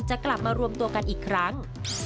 จะกลับมารวมตัวกันอีกครั้ง